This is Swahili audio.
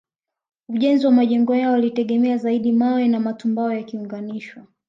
Ujenzi wa majengo yao ulitegemea zaidi mawe na matumbawe yakiunganishwa